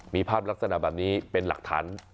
มีภาพลักษณะแบบนี้เป็นหลักฐาน